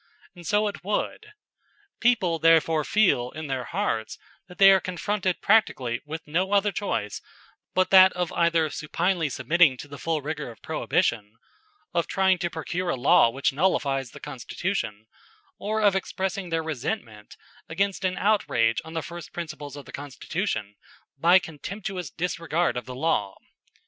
And so it would. People therefore feel in their hearts that they are confronted practically with no other choice but that of either supinely submitting to the full rigor of Prohibition, of trying to procure a law which nullifies the Constitution, or of expressing their resentment against an outrage on the first principles of the Constitution by contemptuous disregard of the law.